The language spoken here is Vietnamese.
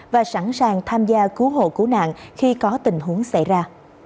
và sẵn sàng tham gia cứu hộ cứu nạn khi có tình huống xảy ra